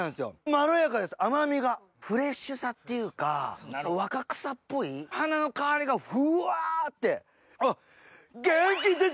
まろやかです甘みがフレッシュさっていうか若草っぽい花の香りがフワ！って。